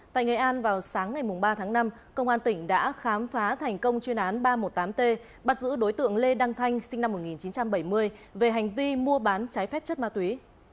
tại nghệ an vào sáng ngày ba tháng năm công an tỉnh đã khám phá thành công chuyên án ba trăm một mươi tám t bắt giữ đối tượng lê đăng thanh sinh năm một nghìn chín trăm bảy mươi về hành vi mua bán trái phép chất ma túy